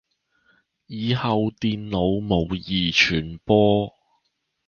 以後電腦模擬傳播